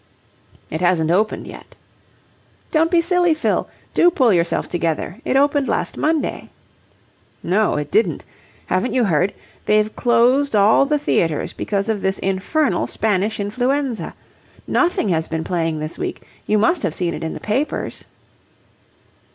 "It hasn't opened yet." "Don't be silly, Fill. Do pull yourself together. It opened last Monday." "No, it didn't. Haven't you heard? They've closed all the theatres because of this infernal Spanish influenza. Nothing has been playing this week. You must have seen it in the papers."